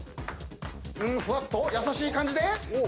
ふわっと優しい感じで。